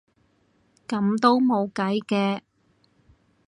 噉都冇計嘅